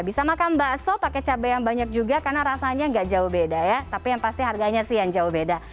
bisa makan bakso pakai cabai yang banyak juga karena rasanya nggak jauh beda ya tapi yang pasti harganya sih yang jauh beda